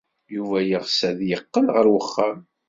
Yuba yeɣs ad d-yeqqel ɣer uxxam.